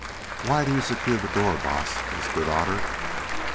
"Why do you secure the door, Baas?" whispered Otter.